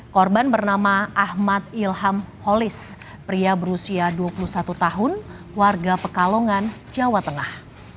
korban bernama ahmad ilham holis pria berusia dua puluh satu tahun warga pekalongan jawa tengah